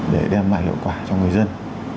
để đem lại hiệu quả cho người dân